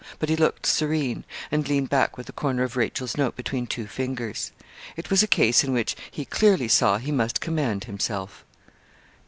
But he looked serene, and leaned back with the corner of Rachel's note between two fingers. It was a case in which he clearly saw he must command himself.